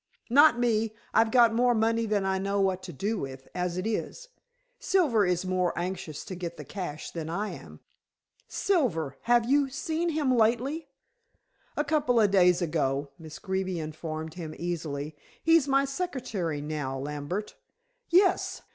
"Not me. I've got more money than I know what to do with, as it is. Silver is more anxious to get the cash than I am." "Silver! Have you seen him lately?" "A couple of days ago," Miss Greeby informed him easily. "He's my secretary now, Lambert. Yes!